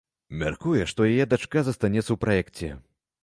Мяркуе, што яе дачка застанецца ў праекце.